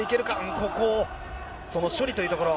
ここ、その処理というところ。